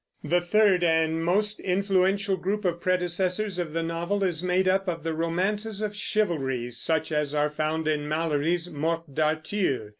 The third and most influential group of predecessors of the novel is made up of the romances of chivalry, such as are found in Malory's Morte d'Arthur.